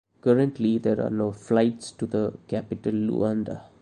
Currently, there are no flights to the capital Luanda.